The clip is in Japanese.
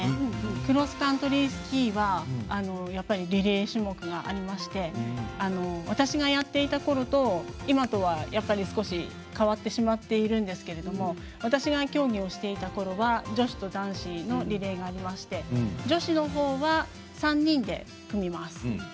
クロスカントリースキーはリレー種目がありまして私がやっていたころと今とはやっぱり、変わってしまっているんですけれども私が競技をしていたころは女子と男子のリレーがありまして女子のほうは、３人で組みます。